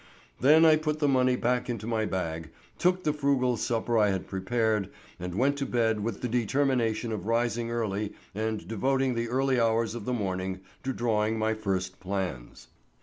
Then I put the money back into my bag, took the frugal supper I had prepared and went to bed with the determination of rising early and devoting the early hours of the morning to drawing my first plans.